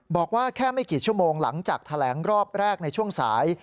บอกว่าแค่ไม่กี่ชั่วโมงหลังจากแถลงรอบแรกในช่วงสาย